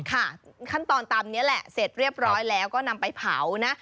ขั้นตอนตามนี้แหละเสร็จเรียบร้อยแล้วก็นำไปเผานะ